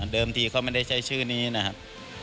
ที่เขาไม่ได้ใช้ชื่อนี้นะครับ